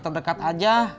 kita dekat aja